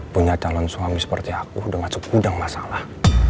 punya calon suami seperti aku udah masuk udang masalah